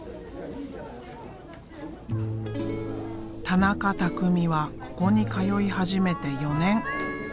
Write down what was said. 田中拓実はここに通い始めて４年。